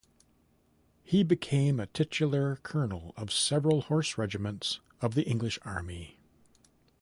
He became a titular colonel of several horse regiments of the English Army.